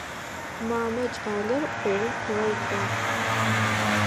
Мамэ кӏалэр къогъум къуигъэуцуагъ.